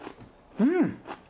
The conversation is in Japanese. うん！